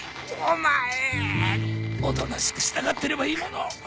おとなしく従ってればいいものを。